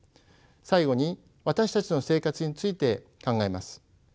最後に私たちの生活について考えます。